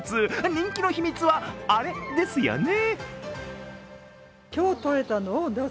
人気の秘密はあれですよね？